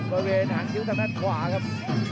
บริเวณหางคิ้วทางด้านขวาครับ